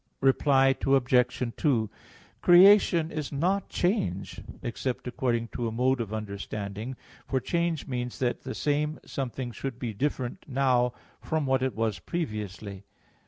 Reply Obj. 2: Creation is not change, except according to a mode of understanding. For change means that the same something should be different now from what it was previously.